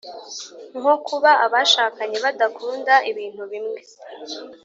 nko kuba abashakanye badakunda ibintu bimwe